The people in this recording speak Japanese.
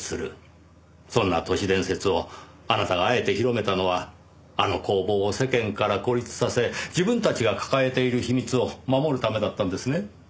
そんな都市伝説をあなたがあえて広めたのはあの工房を世間から孤立させ自分たちが抱えている秘密を守るためだったんですね？